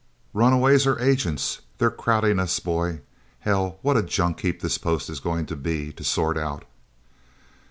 Runaways, or agents? They're crowding us, boy. Hell, what a junk heap this post is going to be, to sort out..."